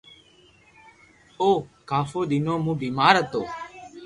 او ڪافو دينو مون بيمار ھتو